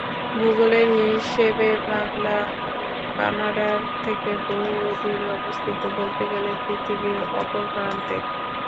ভূগোলের হিসেবে বাংলা মুলুক কানাডার থেকে বহুদূরে অবস্থিত—বলতে গেলে পৃথিবীর অপর প্রান্তে।